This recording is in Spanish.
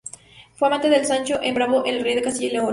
Fue amante de Sancho "el Bravo", rey de Castilla y León.